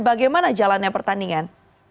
bagaimana jalannya pertandingan